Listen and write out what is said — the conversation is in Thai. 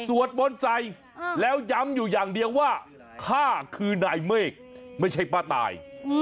สวดมนต์ใสแล้วยัมอยู่อย่างเดียวข้าคือนายเมฆไม่ใช่ป้าตาย